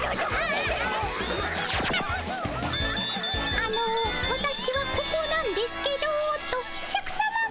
「あのワタシはここなんですけど」とシャクさまが。